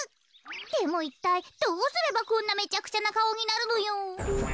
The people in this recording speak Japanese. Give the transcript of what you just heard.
でもいったいどうすればこんなめちゃくちゃなかおになるのよ。